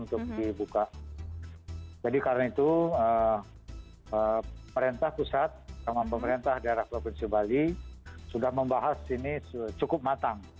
jadi karena itu pemerintah pusat pemerintah daerah provinsi bali sudah membahas ini cukup matang